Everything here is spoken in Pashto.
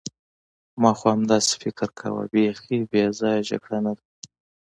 ما خو همداسې فکر کاوه، بیخي بې ځایه جګړه نه ده.